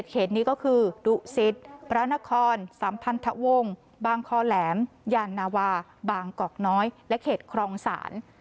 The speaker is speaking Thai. เขตนี้ก็คือดุสิตพระนครสัมพันธวงศ์บางคอแหลมยานนาวาบางกอกน้อยและเขตครองศาล